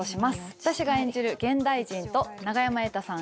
私が演じる現代人と永山瑛太さん